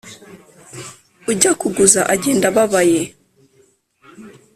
ujya kuguza, agenda ababaye.